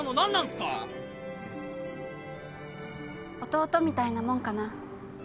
弟みたいなもんかな。